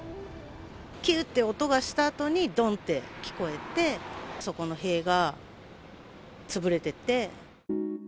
きゅーって音がしたあとに、どんって聞こえて、そこの塀が潰れてて。